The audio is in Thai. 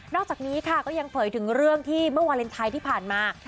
อกจากนี้ค่ะก็ยังเผยถึงเรื่องที่เมื่อวาเลนไทยที่ผ่านมา